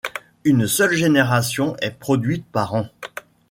Une seule génération est produite par an.